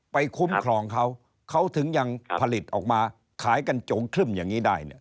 คุ้มครองเขาเขาถึงยังผลิตออกมาขายกันจงครึ่มอย่างนี้ได้เนี่ย